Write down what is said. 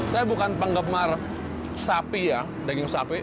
saya bukan penggemar sapi ya daging sapi